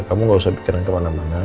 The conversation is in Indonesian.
kamu nggak usah pikiran ke mana mana